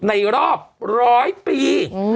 ในรอบร้อยปี